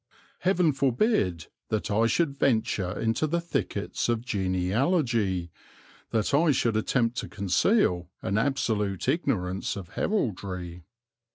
Heaven forbid that I should venture into the thickets of genealogy, that I should attempt to conceal an absolute ignorance of heraldry.